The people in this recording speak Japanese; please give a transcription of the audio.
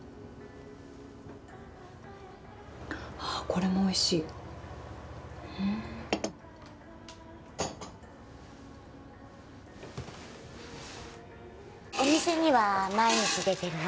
これもおいしいお店には毎日出てるの？